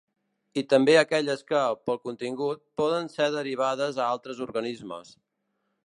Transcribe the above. I també a aquelles que, pel contingut, poden ser derivades a altres organismes.